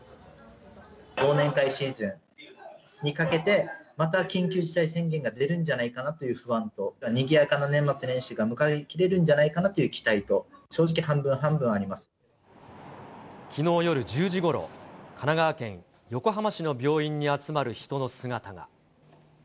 忘年会シーズンにかけて、また緊急事態宣言が出るんじゃないかなという不安と、にぎやかな年末年始が迎えれるんじゃないかなという期待と、正直半分半分あきのう夜１０時ごろ、神奈川県横浜市の病院に集まる人の姿が。